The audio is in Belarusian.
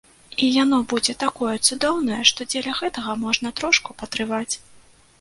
І яно будзе такое цудоўнае, што дзеля гэтага можна трошку патрываць.